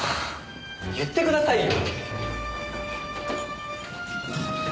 言ってくださいよ。